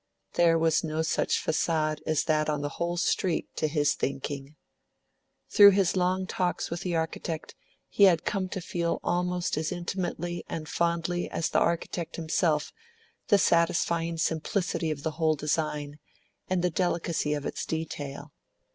There was no such facade as that on the whole street, to his thinking. Through his long talks with the architect, he had come to feel almost as intimately and fondly as the architect himself the satisfying simplicity of the whole design and the delicacy of its detail.